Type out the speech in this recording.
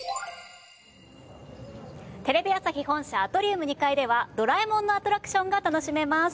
テレビ朝日本社アトリウム２階では『ドラえもん』のアトラクションが楽しめます。